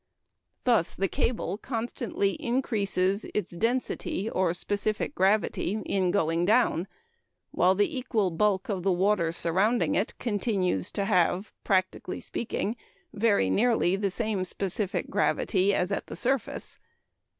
Thus the cable constantly increases its density, or specific gravity, in going down, while the equal bulk of the water surrounding it continues to have, practically speaking, very nearly the same specific gravity as at the surface.